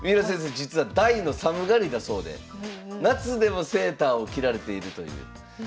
実は大の寒がりだそうで夏でもセーターを着られているという。